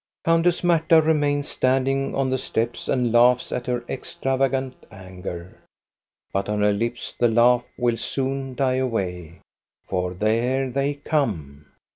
Countess Marta remains standing on the steps and laughs at her extravagant anger ; but on her lips the laugh will soon die away, for there they come.